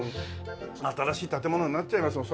新しい建物になっちゃいますもん。